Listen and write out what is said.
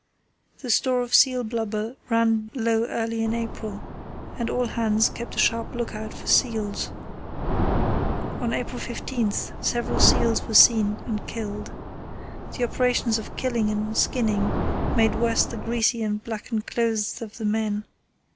The store of seal blubber ran low early in April, and all hands kept a sharp look out for seals. On April 15 several seals were seen and killed. The operations of killing and skinning made worse the greasy and blackened clothes of the men.